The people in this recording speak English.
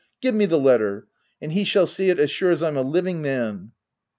Give me the letter, and he shall see it as sure as I'm a living man."